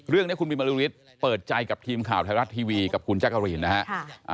เรื่องนี้คุณบินบริษฐ์เปิดใจกับทีมข่าวไทยรัฐทีวีกับคุณจักรีนนะฮะ